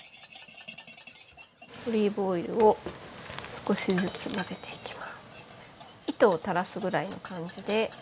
オリーブオイルを少しずつ混ぜていきます。